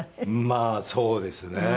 まあそうですね。